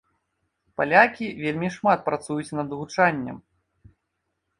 Палякі вельмі шмат працуюць над гучаннем.